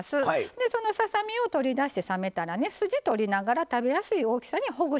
でそのささ身を取り出して冷めたらね筋取りながら食べやすい大きさにほぐしたものです。